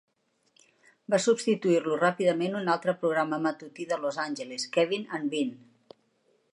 Va substituir-lo ràpidament un altre programa matutí de Los Angeles, 'Kevin and Bean'.